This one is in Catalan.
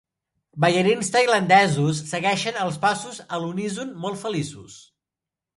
Ballarins tailandesos segueixen els passos a l'uníson molt feliços.